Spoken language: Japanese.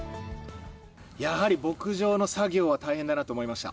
やはり牧場の作業は大変だなと思いました。